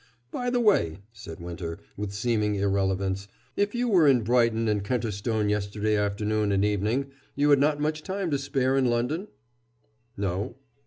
"By the way," said Winter with seeming irrelevance, "if you were in Brighton and Kenterstone yesterday afternoon and evening, you had not much time to spare in London?" "No."